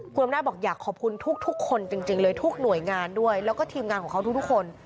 คุณอำนาจบอกอยากขอบคุณทุกคนจริงเลยทุกหน่วยงานด้วยแล้วก็ทีมงานของเขาทุกคน